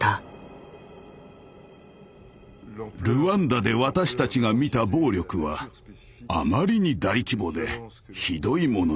ルワンダで私たちが見た暴力はあまりに大規模でひどいものでした。